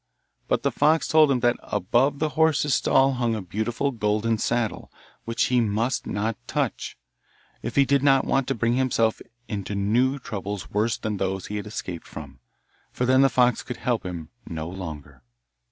But the fox told him that above the horse's stall hung a beautiful golden saddle, which he must not touch, if he did not want to bring himself into new troubles worse than those he had escaped from, for then the fox could help him no longer.